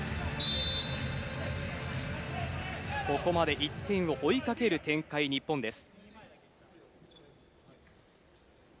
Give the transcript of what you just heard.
ここまで１点を追いかける展開、日本です。